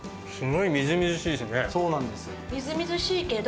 そうなんです。